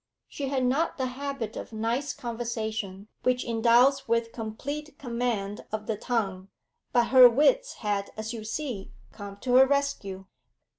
She had not the habit of nice conversation which endows with complete command of the tongue. But her wits had, as you see, come to her rescue.